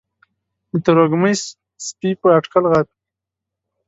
د تروږمۍ سپي په اټکل غاپي